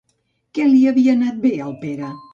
Què li havia anat bé al Pere?